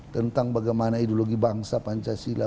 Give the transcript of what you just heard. tentang bagaimana ideologi bangsa pancasila